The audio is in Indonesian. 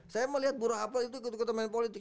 saya melihat burohapot itu ikut ikutan main politik